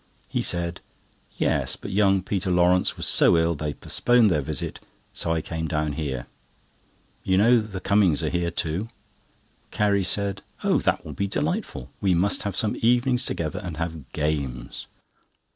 He said: "Yes, but young Peter Lawrence was so ill, they postponed their visit, so I came down here. You know the Cummings' are here too?" Carrie said: "Oh, that will be delightful! We must have some evenings together and have games."